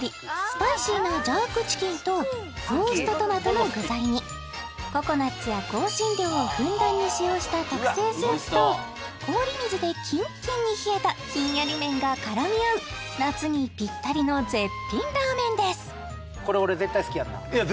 スパイシーなジャークチキンとローストトマトの具材にココナッツや香辛料をふんだんに使用した特製スープと氷水でキンキンに冷えたひんやり麺が絡み合う夏にぴったりの絶品ラーメンですいや